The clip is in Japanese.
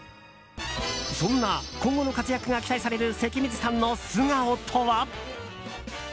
そんな今後の活躍が期待される関水さんの素顔とは。